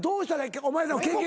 お前らの経験上。